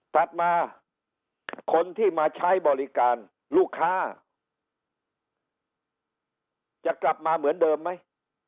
ถัดมาคนที่มาใช้บริการลูกค้าจะกลับมาเหมือนเดิมไหม